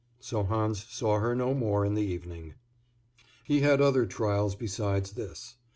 So Hans saw her no more in the evening. He had other trials besides this.